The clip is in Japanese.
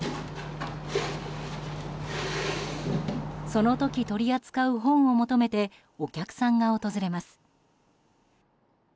その時、取り扱う本を求めてお客さんが訪れます。